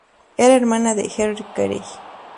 Era hermana de Henry Carey.